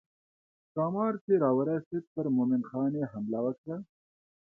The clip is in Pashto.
ښامار چې راورسېد پر مومن خان یې حمله وکړه.